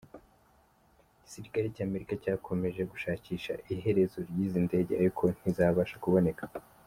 Igisirikare cya Amerika cyakomje gushakisha iherezo ry’izi ndege ariko ntizabasha kuboneka.